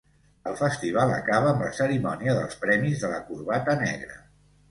El festival acaba amb la cerimònia dels premis de la corbata negra.